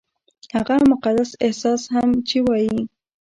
هغه مقدس احساس هم چې وايي-